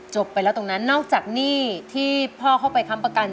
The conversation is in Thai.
จบไปแล้วตรงนั้นนอกจากหนี้ที่พ่อเข้าไปค้ำประกัน